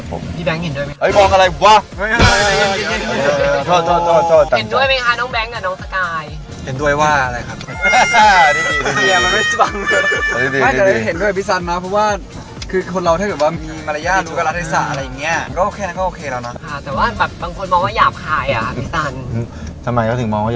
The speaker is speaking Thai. ผมพูดจริงฉันเฉย